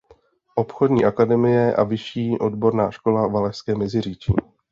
Obchodní akademie a Vyšší odborná škola Valašské Meziříčí.